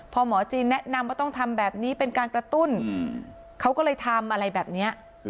พอหมอจีนแนะนำว่าต้องทำแบบนี้เป็นการกระตุ้นเขาก็เลยทำอะไรแบบนี้